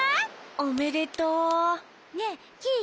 おめでとう！ねえキイ